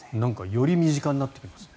より身近になってきますね。